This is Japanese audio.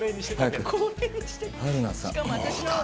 春菜さん！